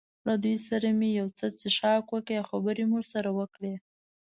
له دوی سره مې یو څه څښاک وکړ او خبرې مې ورسره وکړې.